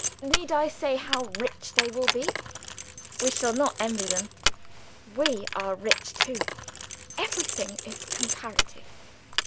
Need I say how rich they will be? We shall not envy them we are rich too. Everything is comparative.